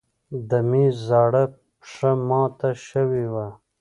د مېز زاړه پښه مات شوې وه.